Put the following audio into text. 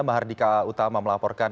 mbah hardika utama melaporkan